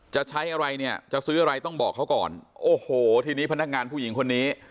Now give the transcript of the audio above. จะใช้อะไรเนี่ยจะซื้ออะไรต้องบอกเขาก่อนโอ้โหทีนี้พนักงานผู้หญิงคนนี้